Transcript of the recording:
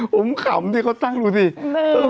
ผมขำที่เขาตั้งดูสิ